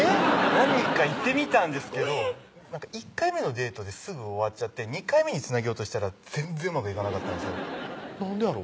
何人かいってみたんですけど１回目のデートですぐ終わっちゃって２回目につなげようとしたら全然うまくいかなかったんですなんでやろ？